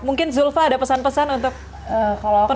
mungkin zulfa ada pesan pesan untuk